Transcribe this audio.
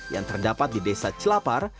yang terdapat di desa celapar